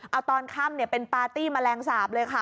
เอาตอนค่ำเป็นปาร์ตี้แมลงสาปเลยค่ะ